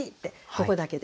ここだけで。